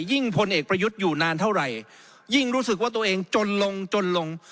พลเอกประยุทธ์อยู่นานเท่าไหร่ยิ่งรู้สึกว่าตัวเองจนลงจนลง